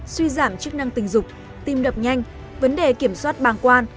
suy giảm chức năng tình dục tim đập nhanh vấn đề kiểm soát bàng quan